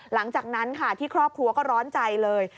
หลังจากนั้นค่ะที่ครอบครัวก็ร้อนใจเลย